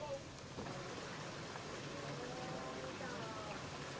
พวกเขาถ่ายมันตรงกลาง